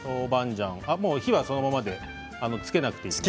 もう火はそのままでつけなくていいです。